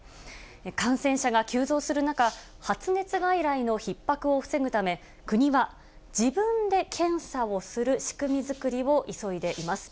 感染者が急増する中、発熱外来のひっ迫を防ぐため、国は自分で検査をする仕組み作りを急いでいます。